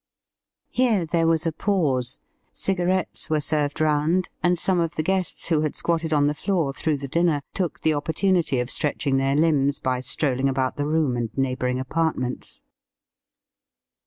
Here there was a pause. Cigarettes were served round, and some of the guests who had squatted on the floor through the dinner took the opportunity of stretching their limbs by strolling about the room and neighbouring apartments.